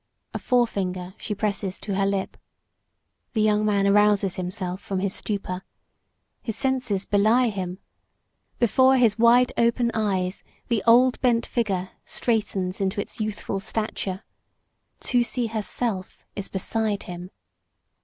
A forefinger she presses to her lip. The young man arouses himself from his stupor. His senses belie him. Before his wide open eyes the old bent figure straightens into its youthful stature. Tusee herself is beside him.